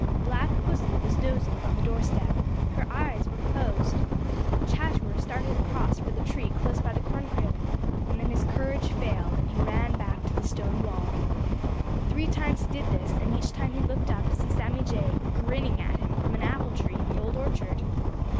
Black Pussy was dozing on the doorstep. Her eyes were closed. Chatterer started across for the tree close by the corn crib, and then his courage failed, and he ran back to the stone wall. Three times he did this, and each time he looked up to see Sammy Jay grinning at him from an apple tree in the Old Orchard.